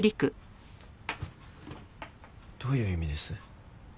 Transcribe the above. どういう意味です？